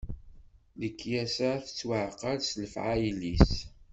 Lekyasa tettwaɛqal s lefɛayel-is.